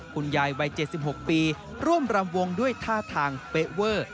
คุณยายวัย๗๖ปีร่วมรำวงด้วยท่าทางเป๊ะเวอร์